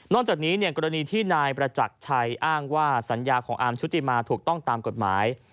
จากนี้กรณีที่นายประจักรชัยอ้างว่าสัญญาของอาร์มชุติมาถูกต้องตามกฎหมาย